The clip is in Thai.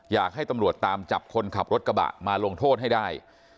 อยากให้ตำรวจตามจับคนขับรถกระบะมาลงโทษให้ได้